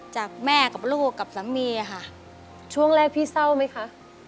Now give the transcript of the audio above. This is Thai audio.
จากแม่กับลูกกับสมีย์ค่ะ